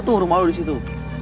tu rumah lo disitu